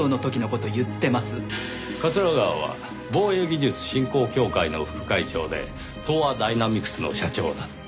桂川は防衛技術振興協会の副会長で東亜ダイナミクスの社長だった。